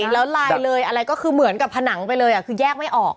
แล้วลายเลยอะไรก็คือเหมือนกับผนังไปเลยคือแยกไม่ออก